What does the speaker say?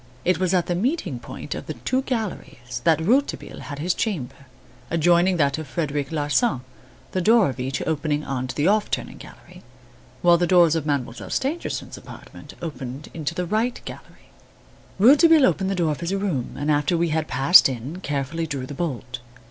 It was at the meeting point of the two galleries that Rouletabille had his chamber, adjoining that of Frederic Larsan, the door of each opening on to the "off turning" gallery, while the doors of Mademoiselle Stangerson's apartment opened into the "right" gallery. (See the plan.) Rouletabille opened the door of his room and after we had passed in, carefully drew the bolt.